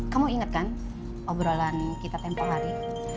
kamu inget kan obrolan kita tempoh hari